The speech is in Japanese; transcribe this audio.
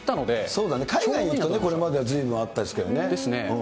そうだね、海外にこれまでずいぶんあったんですけどね。ですね。